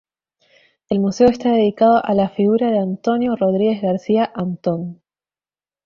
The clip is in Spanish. El museo está dedicado a la figura de Antonio Rodríguez García "Antón".